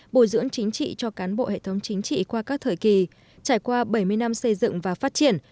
bồi dưỡng chính trị cho cán bộ hệ thống chính trị qua các thời kỳ trải qua bảy mươi năm xây dựng và phát triển